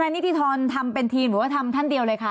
ธนานิทธรรมทำเป็นทีมหรือว่าทำทั้งเดียวเลยคะ